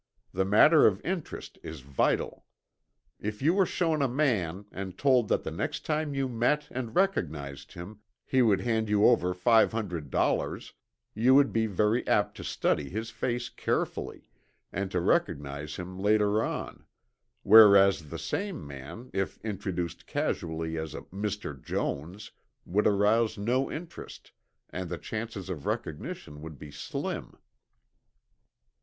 The matter of interest is vital. If you were shown a man and told that the next time you met and recognized him he would hand you over $500, you would be very apt to study his face carefully, and to recognize him later on; whereas the same man if introduced casually as a "Mr. Jones," would arouse no interest and the chances of recognition would be slim.